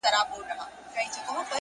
خو هغې دغه ډالۍ،